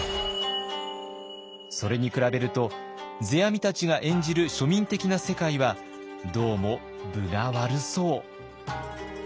それに比べると世阿弥たちが演じる庶民的な世界はどうも分が悪そう。